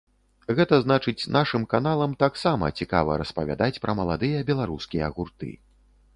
Гэта значыць, нашым каналам таксама цікава распавядаць пра маладыя беларускія гурты.